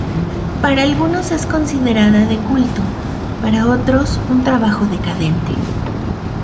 Para algunos es considerada de culto, para otros, un trabajo decadente.